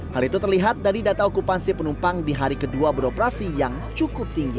hal itu terlihat dari data okupansi penumpang di hari kedua beroperasi yang cukup tinggi